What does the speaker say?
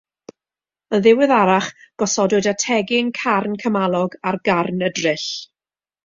Yn ddiweddarach gosodwyd ategyn carn cymalog ar garn y dryll.